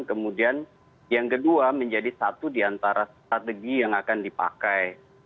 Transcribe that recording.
kemudian yang kedua menjadi satu di antara strategi yang akan dipakai